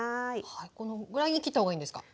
このぐらいに切ったほうがいいんですか？